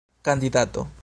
kandidato